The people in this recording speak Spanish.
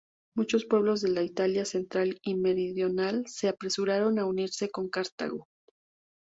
Muchos pueblos de la Italia central y meridional se apresuraron a unirse con Cartago.